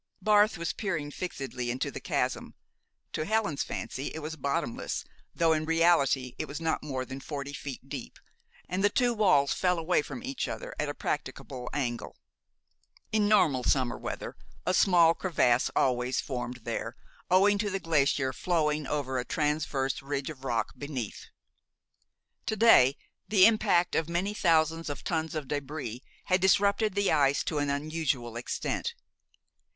Barth was peering fixedly into the chasm. To Helen's fancy it was bottomless, though in reality it was not more than forty feet deep, and the two walls fell away from each other at a practicable angle. In normal summer weather, a small crevasse always formed there owing to the glacier flowing over a transverse ridge of rock beneath. To day the impact of many thousands of tons of débris had disrupted the ice to an unusual extent.